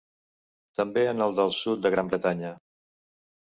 També en el del sud de Gran Bretanya.